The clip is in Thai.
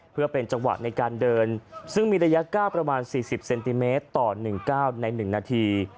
เพื่อเป็นจังหวะในการเดินซึ่งมีระยะ๙ประมาณ๔๐เซนติเมตรต่อ๑๙ใน๑นาที